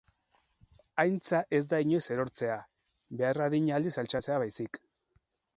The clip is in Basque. Aintza ez da inoiz erortzea, behar adina aldiz altxatzea baizik.